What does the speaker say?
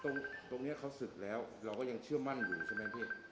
ตรงนี้เขาศึกแล้วเราก็ยังเชื่อมั่นอยู่ใช่ไหมพี่